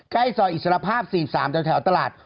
ใกล้ซอยอิสระภาพ๔๓แถวตลาด